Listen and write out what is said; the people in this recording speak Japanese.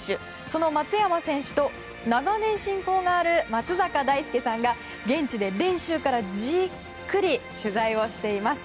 その松山選手と長年親交がある松坂大輔さんが現地で練習からじっくり取材をしています。